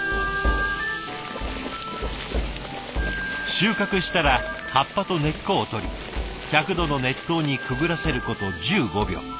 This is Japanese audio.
収穫したら葉っぱと根っこを取り１００度の熱湯にくぐらせること１５秒。